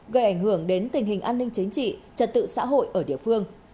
gây ảnh hưởng đến tình hình an ninh chính trị trật tự xã hội ở địa phương